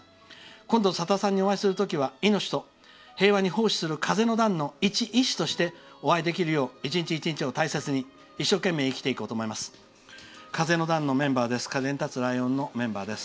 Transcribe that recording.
今度、さださんにお会いするときは風の団の一員としてお会いできるよう１日１日を大切に一生懸命生きていこうと思います」。